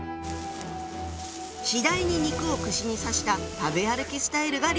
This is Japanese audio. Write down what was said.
次第に肉を串に刺した食べ歩きスタイルが流行。